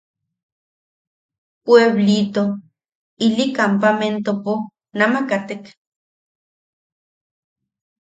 Pueblito ili kampamentopo, nama katek.